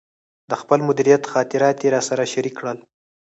د خپل مدیریت خاطرات یې راسره شریک کړل.